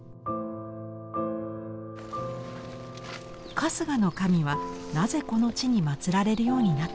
春日の神はなぜこの地にまつられるようになったのか。